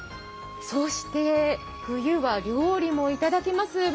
そして冬は料理もいただけます。